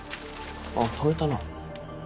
あっ止めたな。